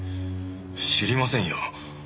知りませんよ。